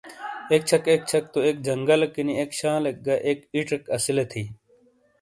ایک چھک ایک چھک تو ایک جنگل کینی ایک شالیک گہ ایک ایڇیک اسیلے تھی۔